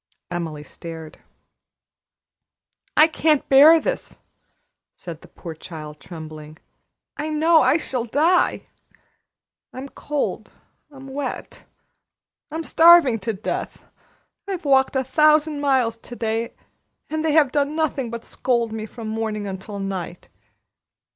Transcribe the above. Emily stared. "I can't bear this!" said the poor child, trembling. "I know I shall die. I'm cold, I'm wet, I'm starving to death. I've walked a thousand miles to day, and they have done nothing but scold me from morning until night.